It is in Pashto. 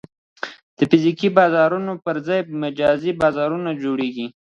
د فزیکي بازارونو پر ځای مجازي بازارونه جوړېږي.